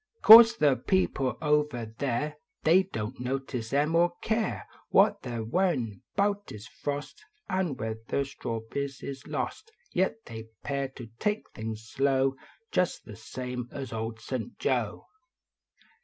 Course tile people over there The} don t notice em or care What they re worrvin bout is frost. N whether strawberries is lost ; Vet they pear to take things slow, Jist the same as ( )ld St. Joe.